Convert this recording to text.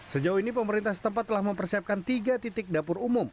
sejauh ini pemerintah setempat telah mempersiapkan tiga titik dapur umum